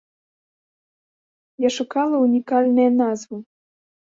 Я шукала унікальнае назву.